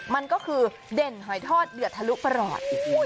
มันก็คือเด่นหอยทอดเดือดทะลุประหลอด